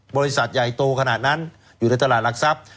บริษัทใหญ่โตขนาดนั้นอยู่ในตลาดหลักทรัพย์